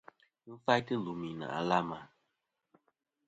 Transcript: Ghɨ faytɨ lùmì nɨ̀ àlamà.